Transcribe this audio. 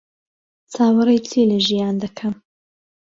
چاوەڕێی چی لە ژیان دەکەم؟